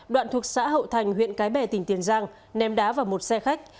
đoạn thuộc xã hậu thành huyện cái bè tỉnh tiền giang ném đá vào một xe khách